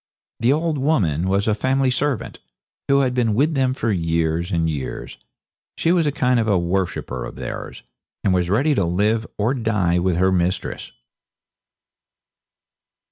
The old woman was a family servant, who had been with them for years and years. She was a kind of worshipper of theirs, and was ready to live or die with her mistress.